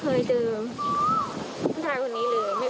หนูไม่รู้ว่า